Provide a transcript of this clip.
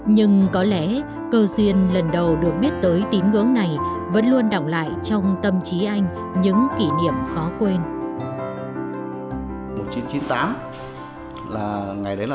nhưng có lẽ cơ duyên lần đầu được biết tới tín ngưỡng này vẫn luôn động lại trong tâm trí anh những kỷ niệm khó quên